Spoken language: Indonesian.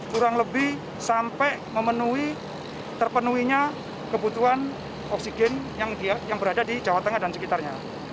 kurang lebih sampai memenuhi terpenuhinya kebutuhan oksigen yang berada di jawa tengah dan sekitarnya